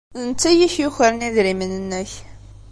D netta ay ak-yukren idrimen-nnek.